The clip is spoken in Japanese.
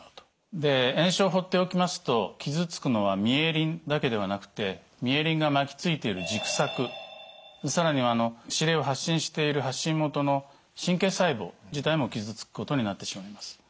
で炎症を放っておきますと傷つくのはミエリンだけではなくてミエリンが巻きついている軸索更には指令を発信している発信元の神経細胞自体も傷つくことになってしまいます。